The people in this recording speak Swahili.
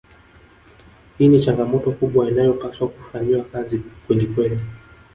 Hii ni changamoto kubwa inayopaswa kufanyiwa kazi kwelikweli